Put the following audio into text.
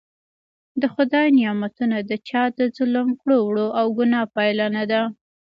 د خدای نعمتونه د چا د ظلم کړو وړو او ګناه پایله نده.